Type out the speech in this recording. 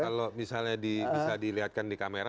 kalau misalnya bisa dilihatkan di kamera